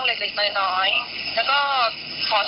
มีทะเลาะกันนะคะเรื่องเล็กน้อย